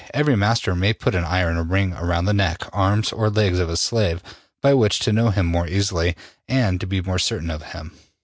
Every master may put an iron ring around the neck, arms or legs of his slave, by which to know him more easily and to be more certain of him.